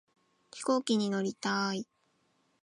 飛行機に乗りたい